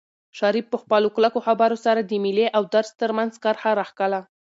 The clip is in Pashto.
شریف په خپلو کلکو خبرو سره د مېلې او درس ترمنځ کرښه راښکله.